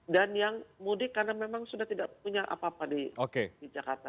dan yang mudik karena memang sudah tidak punya apa apa di jakarta